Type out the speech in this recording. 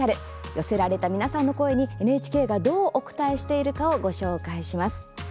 寄せられた皆さんの声にＮＨＫがどうお応えしているかをご紹介します。